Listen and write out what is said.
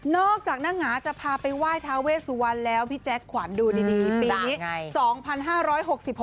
นอกจากนางง้าจะพาไปว่ายทาเวสุวรรค์แล้วพี่แจ็คขวานดูดีปีนี้